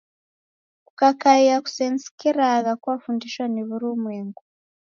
kukakaia kusenisikragha kuafundishwa ni wurumwengu